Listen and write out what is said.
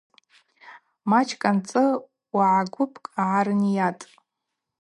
Мачӏкӏ анцӏы уагӏа гвыпкӏ гӏарынйатӏ.